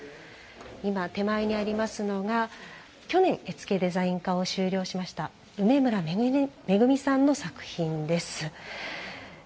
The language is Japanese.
手前にありますのが去年、絵付デザイン科を修了しました梅村めぐみさんの作品です。